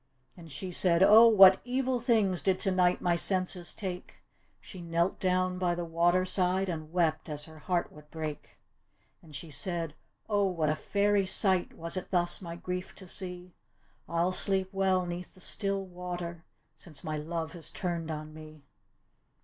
And she said, " Oh, what evil things Did tonight my smses take?" She knelt down by the water side And wept as her heart would break. And she said, " Oh, what fairy sight Was it thus my grief to see! I'll sleep well 'neath the still water. Since my love has turned on mc."